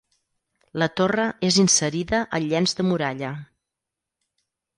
La torre és inserida al llenç de muralla.